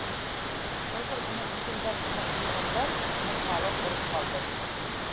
Хәзер уны ҡызылдар ҡамап ҡуйғандан кәйен, уның малы ҡороп ҡалды.